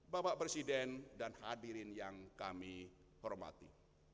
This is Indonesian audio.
bapak presiden dan hadirin yang kami hormati